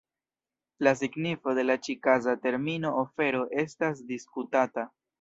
La signifo de la ĉi-kaza termino "ofero" estas diskutata.